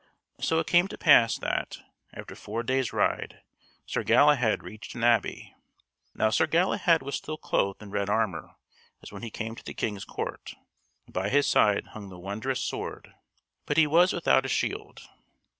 So it came to pass that, after four days' ride, Sir Galahad reached an abbey. Now Sir Galahad was still clothed in red armour as when he came to the King's court, and by his side hung the wondrous sword; but he was without a shield.